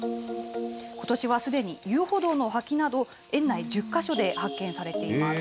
ことしはすでに遊歩道の脇など、園内１０か所で発見されています。